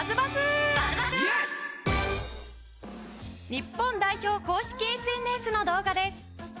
日本代表公式ＳＮＳの動画です。